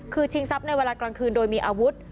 คือชิงทรัพย์ในเวลากลางคืนโดยมีอาวุธ